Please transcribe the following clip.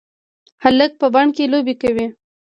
هلک په بڼ کې لوبې کوي.